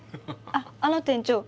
あっあの店長。